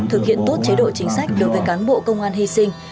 thực hiện tốt chế độ chính sách đối với cán bộ công an hy sinh